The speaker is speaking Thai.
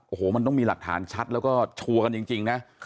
โอ้โหมันต้องมีหลักฐานชัดแล้วก็ชัวร์กันจริงนะ